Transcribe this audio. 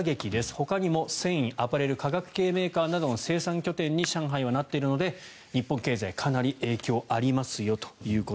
ほかにも繊維、アパレル化学系メーカーなどの生産拠点に上海はなっているので日本経済にはかなり影響がありますよと。